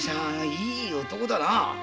いい男だなあ。